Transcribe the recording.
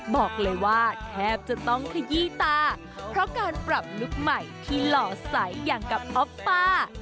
บอกเลยว่าแทบจะต้องขยี้ตาเพราะการปรับลุคใหม่ที่หล่อใสอย่างกับอ๊อปป้า